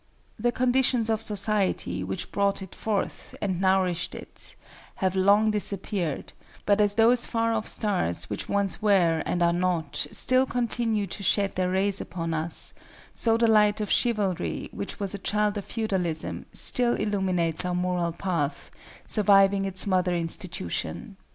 The conditions of society which brought it forth and nourished it have long disappeared; but as those far off stars which once were and are not, still continue to shed their rays upon us, so the light of chivalry, which was a child of feudalism, still illuminates our moral path, surviving its mother institution.